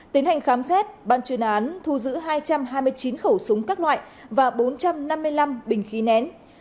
tiến hành khám xét ban chuyên án thu giữ hai trăm hai mươi chín khẩu súng các loại và bốn trăm năm mươi năm bình khí nén